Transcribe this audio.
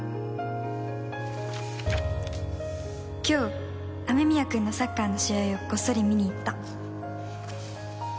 「今日雨宮くんのサッカーの試合をこっそり見に行った！」